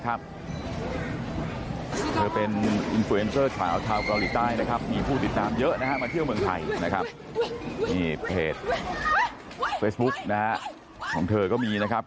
เกิดอะไรขึ้นอันนี้